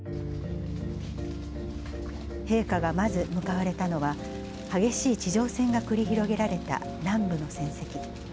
陛下がまず向かわれたのは、激しい地上戦が繰り広げられた南部の戦跡。